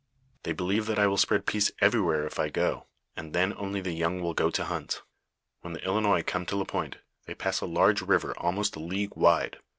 They be lieve that I will spread peace everywhere, if I go, and then only the young will go to hunt. " When the Ilinois come to Lapointe, they pass a large river almost a league wide.